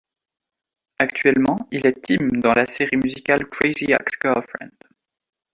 Actuellement il est Tim dans la série musicale Crazy ex girlfriend.